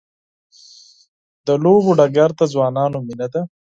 د لوبو ډګر د ځوانانو مینه ده.